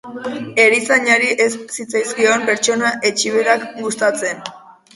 Erizainari ez zitzaizkion pertsona etsiberak gustatzen.